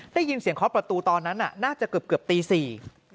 ได้ยินเสียงค้อประตูตอนนั้นน่าจะเกือบตี๔